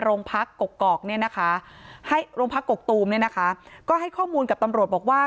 โรงพักกกอกเนี่ยนะคะให้โรงพักกกตูมเนี่ยนะคะก็ให้ข้อมูลกับตำรวจบอกว่า